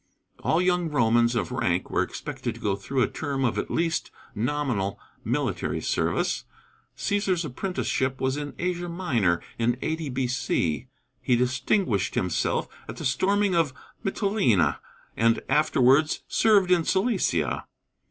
All young Romans of rank were expected to go through a term of at least nominal military service. Cæsar's apprenticeship was in Asia Minor in 80 B.C. He distinguished himself at the storming of Mytilene, and afterwards served in Cilicia.